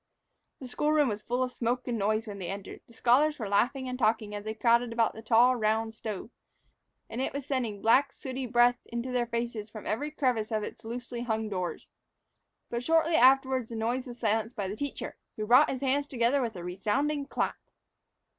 The school room was full of smoke and noise when they entered. The scholars were laughing and talking as they crowded about the tall, round stove; and it was sending black, sooty breath into their faces from every crevice of its loosely hung doors. But shortly afterward the noise was silenced by the teacher, who brought his hands together with a resounding clap.